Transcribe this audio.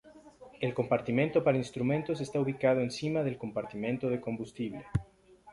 El compartimento para instrumentos está ubicado encima del compartimento de combustible.